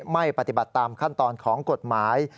ไม่ปฏิบัติตามขั้นตอนของกฎหมาย